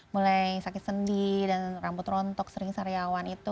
mulai sakit sendi dan rambut rontok sering sariawan itu